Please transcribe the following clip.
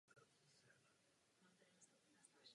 Dnes je věž jedním z mála pozůstatků historie města.